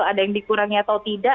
ada yang dikurangi atau tidak